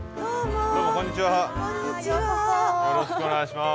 よろしくお願いします。